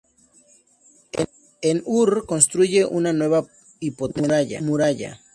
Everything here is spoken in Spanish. En Ur construye una nueva y potente muralla.